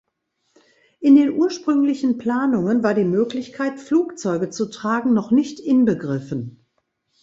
In den ursprünglichen Planungen war die Möglichkeit Flugzeuge zu tragen noch nicht inbegriffen.